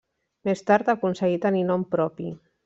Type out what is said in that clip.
Més tard aconseguí tenir nom propi.